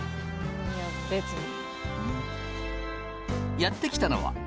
いや別に。